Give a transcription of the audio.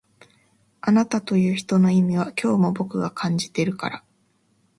あなたという人の意味は今日も僕が感じてるから